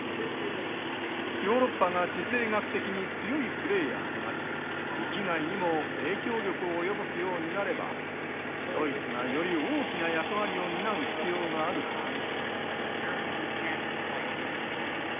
ヨーロッパが地政学的に強いプレーヤーとなり域外にも影響力を及ぼすようになればドイツがより大きな役割を担う必要があるからです。